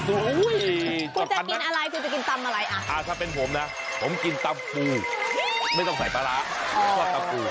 โอ้ยจอดคันนะอ่ะถ้าเป็นผมนะผมกินตำปูไม่ต้องใส่ปลาร้าชอบตำปู